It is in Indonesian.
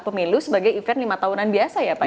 pemilu sebagai event lima tahunan biasa ya pak